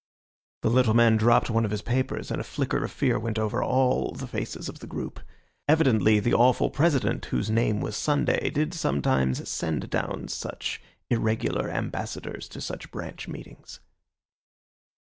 The little man dropped one of his papers, and a flicker of fear went over all the faces of the group. Evidently the awful President, whose name was Sunday, did sometimes send down such irregular ambassadors to such branch meetings.